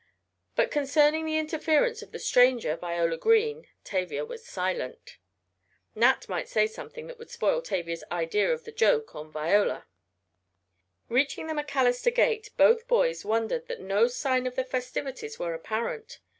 But concerning the interference of the stranger, Viola Green, Tavia was silent. Nat might say something that would spoil Tavia's idea of the joke on Viola. Reaching the MacAllister gate both boys wondered that no sign of the festivities were apparent.